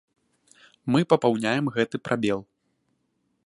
Мы папаўняем гэты прабел.